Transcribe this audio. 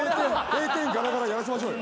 閉店ガラガラやらせましょうよ。